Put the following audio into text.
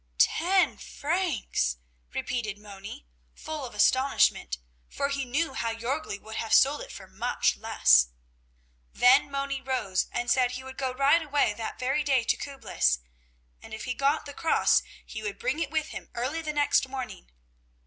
"Ten francs!" repeated Moni, full of astonishment, for he knew how Jörgli would have sold it for much less. Then Moni rose and said he would go right away that very day to Küblis, and if he got the cross he would bring it with him early the next morning.